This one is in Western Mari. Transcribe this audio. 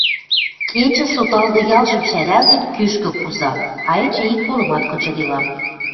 Кечӹ, соталгы ялжым шӓрӓлтен, кӱшкӹ куза, а эче ик колымат кычыделам.